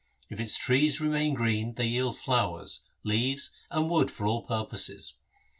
If its trees remain green they yield flowers, leaves, and wood for all purposes.